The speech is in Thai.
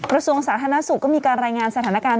กระทรวงสาธารณสุขก็มีการรายงานสถานการณ์